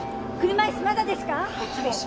車椅子まだですか？